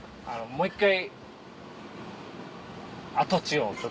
もう一回？